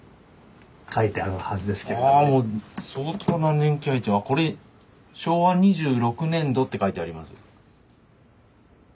あもう相当な年季が入ってこれ昭和２６年度って書いてあります。